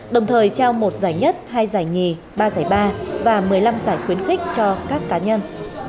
đồng thời trao một giải nhất hai giải nhì ba giải ba và một mươi năm giải khuyến khích cho các cá nhân